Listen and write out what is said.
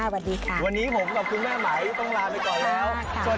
วันนี้ผมกับคุณแม่ไหมต้องลาไปก่อนแล้ว